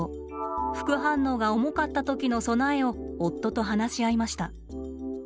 副反応が重かった時の備えを夫と話し合いました。